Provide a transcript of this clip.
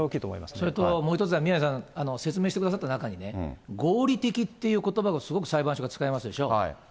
それともう一つは宮根さん、説明してくださった中にね、合理的っていうことばを、すごく裁判所が使いますでしょ。